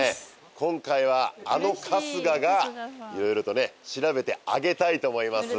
今回はあの春日がいろいろとね調べてあげたいと思います。